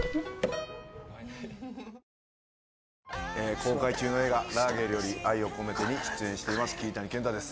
公開中の映画『ラーゲリより愛を込めて』に出演しています桐谷健太です。